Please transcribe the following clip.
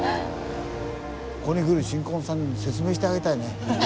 ここに来る新婚さんに説明してあげたいね。